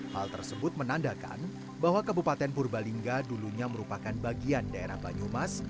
hal tersebut menandakan bahwa kabupaten purbalingga dulunya merupakan bagian daerah banyumas